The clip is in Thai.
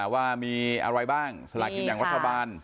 ว่ามีอะไรบ้างสลากินแบ่งรัฐบาล